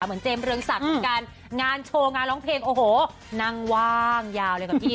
เหมือนเจมส์เรืองศักดิ์กันงานโชว์งานร้องเพลงโอ้โหนั่งว่างยาวเลยกับพี่